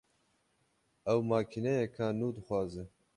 Ew makîneyeka nû dixwaze